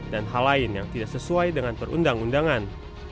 dan hal lain yang tidak sesuai dengan perundang undangan